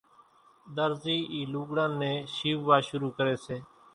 ۮرزي اِي لوڳڙان نين شيووا شروع ڪري سي